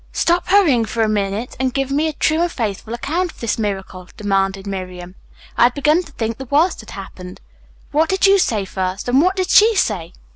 ] "Stop hurrying for a minute and give me a true and faithful account of this miracle," demanded Miriam. "I had begun to think the worst had happened. What did you say first, and what did she say?"